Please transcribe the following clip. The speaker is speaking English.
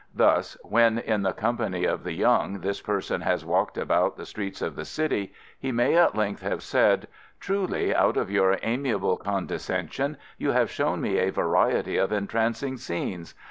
Thus, when in the company of the young this person has walked about the streets of the city, he may at length have said, "Truly, out of your amiable condescension, you have shown me a variety of entrancing scenes.